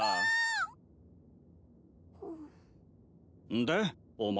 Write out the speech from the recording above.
んでお前